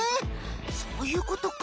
そういうことか。